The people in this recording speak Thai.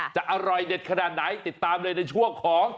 จะอร่อยเด็ดขนาดไหนติดตามเลยในช่วงของ